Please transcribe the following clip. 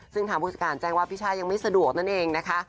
ซึ่งทางผู้จัดการแจ้งว่าพี่ช่ายังไม่สะดวกนั่นเองนะคะ